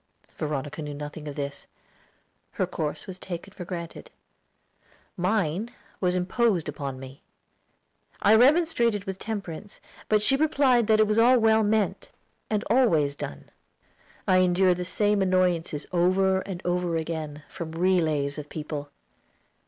Veronica knew nothing of this. Her course was taken for granted; mine was imposed upon me. I remonstrated with Temperance, but she replied that it was all well meant, and always done. I endured the same annoyances over and over again, from relays of people.